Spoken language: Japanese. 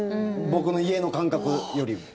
僕の家の感覚よりも。